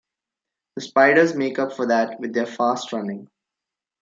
The spiders make up for that with their fast running.